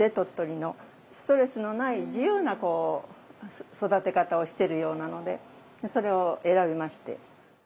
ストレスのない自由なこう育て方をしてるようなのでそれを選びまして。